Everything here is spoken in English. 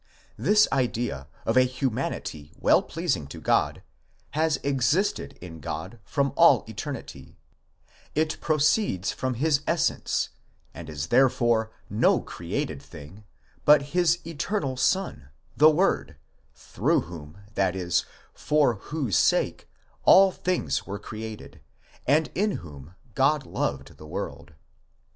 This idea of a humanity well pleasing to God, has existed in God from alk eternity ; it proceeds from his essence, and is therefore no created thing, but his eternal Son, the Word, through whom, that is, for whose sake, all things were created, and in whom God loved the world.